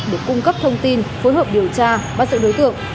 để cung cấp thông tin phối hợp điều tra và sự đối tượng